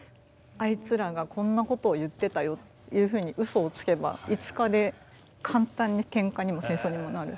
「あいつらがこんなことを言ってたよ」というふうにウソをつけば５日で簡単にケンカにも戦争にもなる。